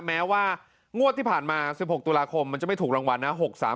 แม้ว่างวดที่ผ่านมา๑๖ตุลาคมมันจะไม่ถูกรางวัลนะ